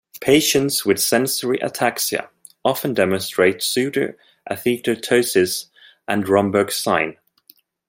Patients with sensory ataxia often demonstrate pseudoathetosis and Romberg's sign.